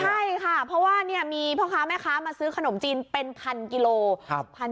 ใช่ค่ะเพราะว่ามีพ่อค้าแม่ค้ามาซื้อขนมจีนเป็นพันกิโลกรัม